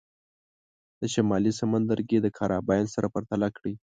د شمالي سمندرګي د کارابین سره پرتله کړئ.